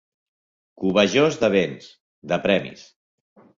Cobejós de béns, de premis.